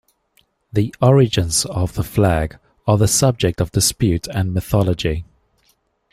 The origins of the flag are the subject of dispute and mythology.